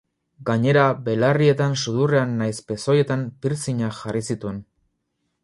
Gainera, belarrietan, sudurrean nahiz pezoietan piercingak jarri zituen.